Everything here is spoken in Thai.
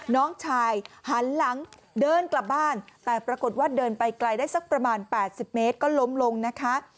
น้องชายหันหลังเดินกลับบ้านแต่ปรากฏว่าเดินไปไกลได้สักประมาณ๘๐เมตรก็ล้มลงนะคะ